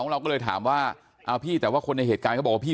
เราก็เลยถามว่าเอาพี่แต่ว่าคนในเหตุการณ์เขาบอกว่าพี่